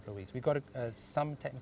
kita memiliki beberapa masalah teknis